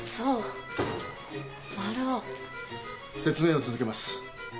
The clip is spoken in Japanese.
説明を続けます。